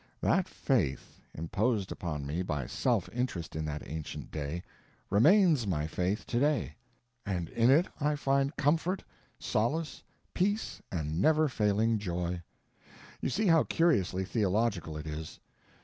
That faith, imposed upon me by self interest in that ancient day, remains my faith today, and in it I find comfort, solace, peace, and never failing joy. You see how curiously theological it is.